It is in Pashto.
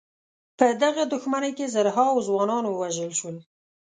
په دغه دښمنۍ کې زرهاوو ځوانان ووژل شول.